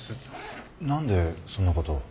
なんでそんな事を？